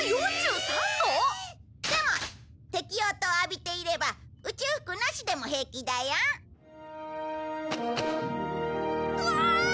でもテキオー灯を浴びていれば宇宙服なしでも平気だよ。わい！